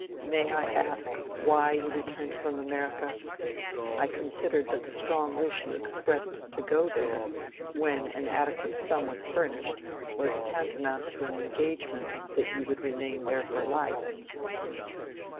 "May I ask why you returned from America? I considered that the strong wish you expressed to go there, when an adequate sum was furnished, was tantamount to an engagement that you would remain there for life."